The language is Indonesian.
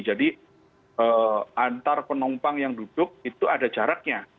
jadi antar penumpang yang duduk itu ada jaraknya